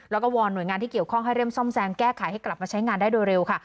แล้วก็วอนหน่วยงานที่เกี่ยวข้องให้เร่งซ่อมแซมแก้ไขให้กลับมาใช้งานได้โดยเร็วค่ะ